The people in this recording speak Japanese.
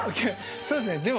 そうですね。